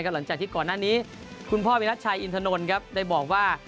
หลังจากที่ก่อนหน้านี้คุณพ่อวิรัชชัยอินทนนท์ครับได้บอกว่า